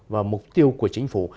và mục tiêu của chính phủ